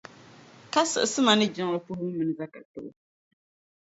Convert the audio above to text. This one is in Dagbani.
Ka saɣisi ma ni jiŋli puhibu mini zaka tibu